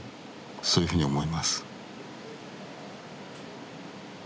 そういうふうに思います。